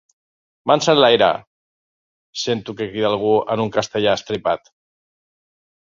Mans enlaire! —sento que crida algú en un castellà estripat.